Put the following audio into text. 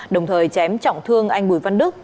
đồng thời chém trọng thương anh bùi văn đức